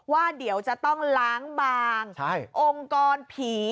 ว่าเดี๋ยวจะต้องล้างบางองค์กรผี